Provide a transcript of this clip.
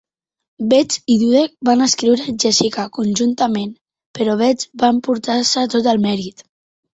Betts i Dudek van escriure "Jessica" conjuntament, però Betts va emportar-se tot el mèrit.